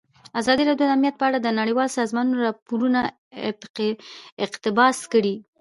ازادي راډیو د امنیت په اړه د نړیوالو سازمانونو راپورونه اقتباس کړي.